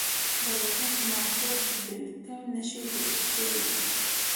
د غزني په ناهور کې د لیتیم نښې لیدل شوي دي.